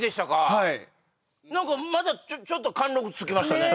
はい何かまたちょっと貫禄つきましたね